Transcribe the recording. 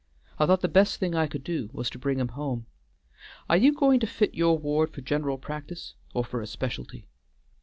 I thought the best thing I could do was to bring him home. Are you going to fit your ward for general practice or for a specialty?"